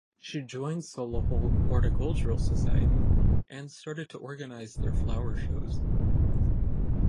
She joined Solihull Horticultural Society and started to organise their flower shows.